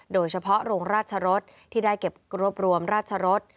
โดยเฉพาะโรงราชรสที่ได้เก็บรวบรวมราชรส